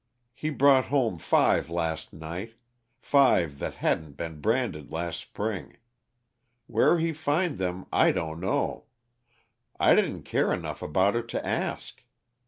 He brought home five last night five that hadn't been branded last spring. Where he found them I don't know I didn't care enough about it to ask.